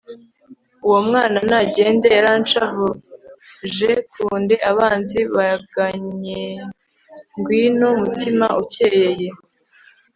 uwo mwana nagende yaranshavujekunde abanzi baganyengwino mutima ukeyeye